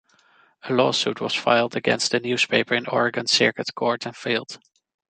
A lawsuit was filed against the newspaper in Oregon Circuit Court and failed.